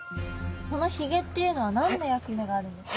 このヒゲっていうのは何の役目があるんですか？